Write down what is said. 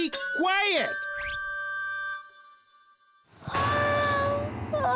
ああ！